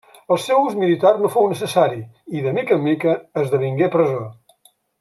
El seu ús militar no fou necessari i, de mica en mica, esdevingué presó.